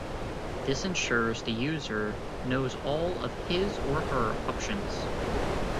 This ensures the user knows all of his or her options.